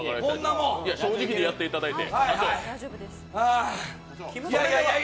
正直にやっていただいて。